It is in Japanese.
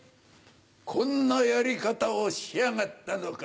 こんなやり方をしやがったのか。